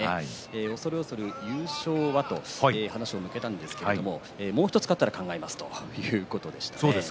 恐る恐るに優勝は？と話を向けましたがもう１つ勝ったら考えますということでした。